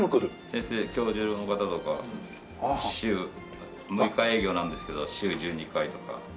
先生教授の方とか週６日営業なんですけど週１２回とか。